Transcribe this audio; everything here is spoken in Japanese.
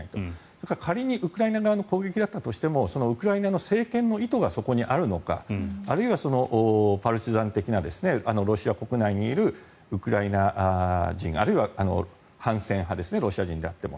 それから仮にウクライナ側の攻撃だったとしてもウクライナの政権の意図がそこにあるのかあるいはパルチザン的なロシア国内にいるウクライナ人あるいは反戦派ロシア人であっても。